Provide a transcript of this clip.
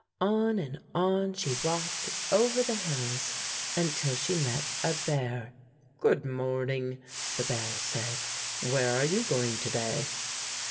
On and on she walked over the hills until she met a bear. "Good morning," the bear said; "where are you going to day?"